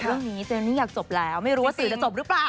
เรื่องนี้เจนนี่อยากจบแล้วไม่รู้ว่าสื่อจะจบหรือเปล่า